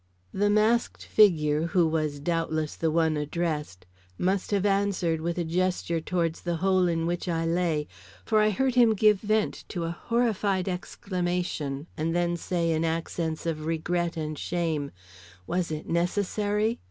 The masked figure, who was doubtless the one addressed, must have answered with a gesture towards the hole in which I lay, for I heard him give vent to a horrified exclamation and then say in accents of regret and shame: "Was it necessary?"